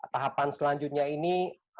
tahapan selanjutnya ini